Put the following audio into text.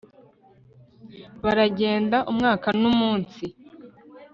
baragenda, umwaka n'umunsi